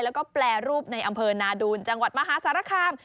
แล้วก็แปรรูปในอำเภอนาดูนจังหวัดมหาสารคาม